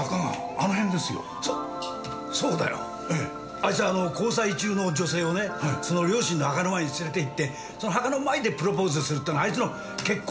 あいつは交際中の女性をねその両親の墓の前に連れて行ってその墓の前でプロポーズするってのがあいつの結婚